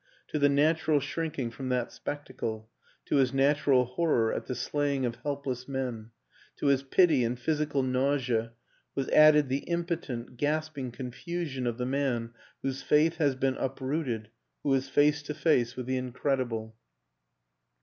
To the natural shrinking from that spectacle, to his natural horror at the slaying of helpless men, to his pity and physical nausea was added the impotent, gasping confusion of the man whose faith has been uprooted, who is face to face with the incredible.